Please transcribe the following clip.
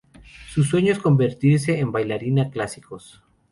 Su sueño es convertirse en bailarina clásicos.